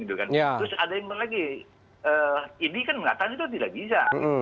terus ada yang lagi ini kan mengatakan itu tidak bisa